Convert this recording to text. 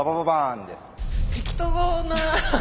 適当な。